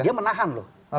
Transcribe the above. dia menahan loh